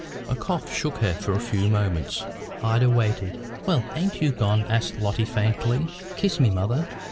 A cough shook her for a few moments. Ida waited. "Well, ain't you gone?" asked Lotty faintly. "Kiss me, mother."